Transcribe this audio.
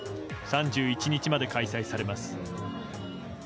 ３１日まで開催されます。